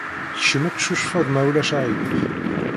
Kcem ad teccucfeḍ, ma ulac aɣilif.